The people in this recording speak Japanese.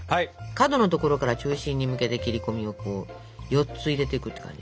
角の所から中心に向けて切り込みをこう４つ入れてくって感じ。